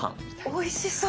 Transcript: おいしそう！